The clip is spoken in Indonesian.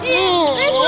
ih eh bu